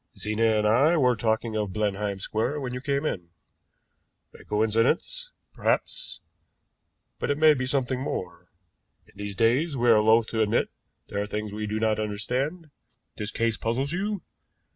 Zena and I were talking of Blenheim Square when you came in. A coincidence? Perhaps, but it may be something more. In these days we are loath to admit there are things we do not understand. This case puzzles you?"